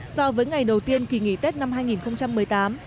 so với ngày đầu tiên kỳ nghỉ tết năm hai nghìn một mươi tám